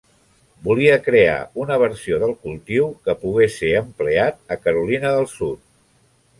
Volia crear una versió del cultiu que pogués ser empleat en Carolina del Sud.